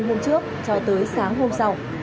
đêm hôm trước cho tới sáng hôm sau